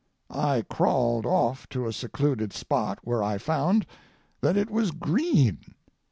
I crawled off to a secluded spot, where I found that it was green.